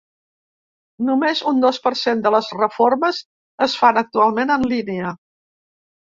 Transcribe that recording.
Només un dos per cent de les reformes es fan actualment en línia.